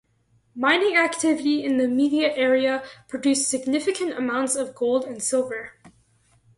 Mining activity in the immediate area produced significant amounts of gold and silver.